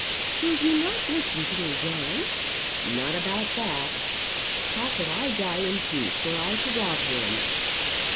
"Will you not listen to me, John?" "Not about that. How could I die in peace were I to rob him?"